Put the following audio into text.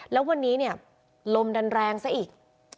แล้ววันนี้ลมดันแรงซะอีก